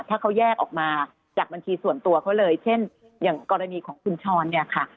ถ้าเขาแยกออกมาจากบัญชีส่วนตัวเขาเลยเช่นอย่างกรณีของคุณช้อนเนี่ยค่ะ